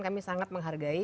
kami sangat menghargai